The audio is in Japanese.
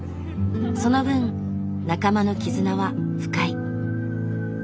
その分仲間の絆は深い。